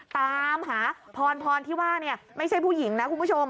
ตามหาพรพรที่ว่าเนี่ยไม่ใช่ผู้หญิงนะคุณผู้ชม